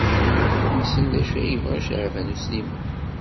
Wissen d acu ay yebɣa Caɛban U Sliman.